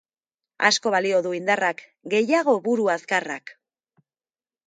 Asko balio du indarrak, gehiago buru azkarrak.